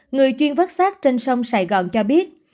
người chuyên vớt sát trên sông sài gòn cho biết